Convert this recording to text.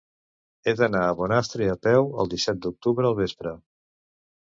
He d'anar a Bonastre a peu el disset d'octubre al vespre.